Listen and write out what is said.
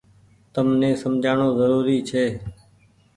تم ني سمجهآڻو ۮورو ڇي۔